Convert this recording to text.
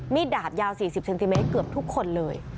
ดาบยาว๔๐เซนติเมตรเกือบทุกคนเลย